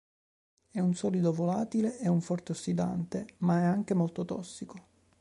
È un solido volatile e un forte ossidante, ma è anche molto tossico.